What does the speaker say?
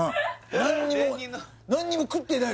何も食ってない